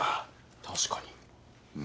確かに。